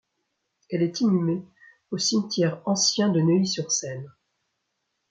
Elle est inhumée au cimetière ancien de Neuilly-sur-Seine.